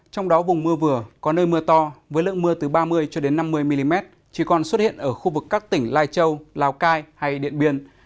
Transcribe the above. trong đó vùng mưa vừa có nơi mưa to với lượng mưa từ ba mươi năm mươi mm chỉ còn xuất hiện ở khu vực các tỉnh lai châu lào cai hay điện biên